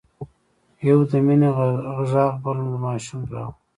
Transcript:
يو د مينې غږ بل د ماشوم غږ و.